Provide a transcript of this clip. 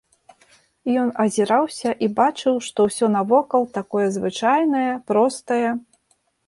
Ён азіраўся і бачыў, што ўсё навокал такое звычайнае, простае.